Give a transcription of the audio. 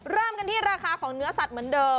เริ่มกันที่ราคาของเนื้อสัตว์เหมือนเดิม